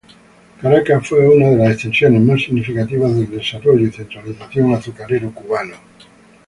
Caracas fue una de las extensiones más significativas del desarrollo y centralización azucarero cubano.